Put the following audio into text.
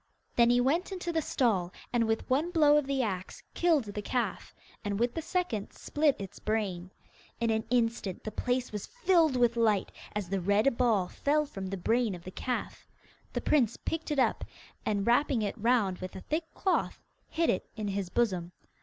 Then he went into the stall, and with one blow of the axe killed the calf, and with the second split its brain. In an instant the place was filled with light, as the red ball fell from the brain of the calf. The prince picked it up, and, wrapping it round with a thick cloth, hid it in his bosom.